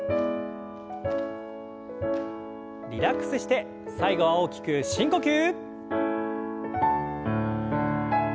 リラックスして最後は大きく深呼吸。